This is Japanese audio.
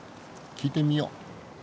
聞いてみよう。